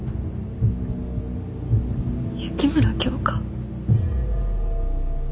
雪村京花？